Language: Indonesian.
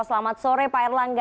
selamat sore pak erlangga